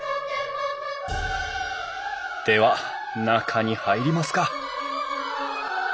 では中に入りますか